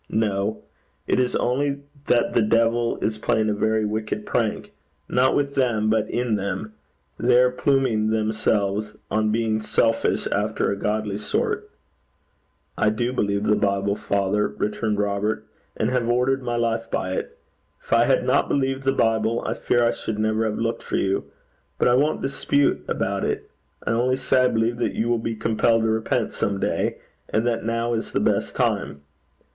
No. It is only that the devil is playing a very wicked prank, not with them, but in them: they are pluming themselves on being selfish after a godly sort. 'I do believe the Bible, father,' returned Robert, 'and have ordered my life by it. If I had not believed the Bible, I fear I should never have looked for you. But I won't dispute about it. I only say I believe that you will be compelled to repent some day, and that now is the best time.